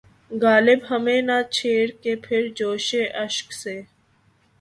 غالب ہمیں نہ چھیڑ کہ پھر جوشِ اشک سے